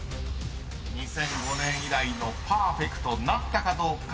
［２００５年以来のパーフェクトなったかどうか？］